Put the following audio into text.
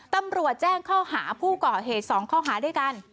ตำรวจแจ้งข้อหาผู้ก่อเหตุ๒ข้อหาด้วยกัน